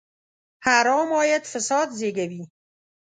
حرام عاید فساد زېږوي.